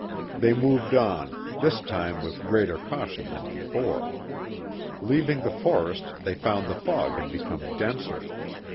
They moved on, this time with greater caution than before. Leaving the forest they found the fog had become denser.